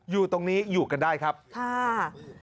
อยู่ตรงนี้อยู่กันได้ครับค่ะ